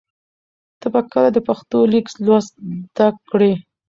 ته به کله د پښتو لیک لوست زده کړې؟